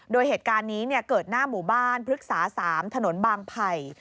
โดยเหตุการณ์นี้เกิดหน้าหมู่บ้านพฤกษา๓ถนนบางไผ่